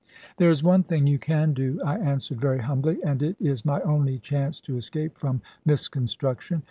"There is one thing you can do," I answered very humbly; "and it is my only chance to escape from misconstruction.